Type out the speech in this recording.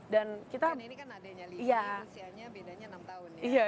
dan ini kan adeknya lee usianya bedanya enam tahun ya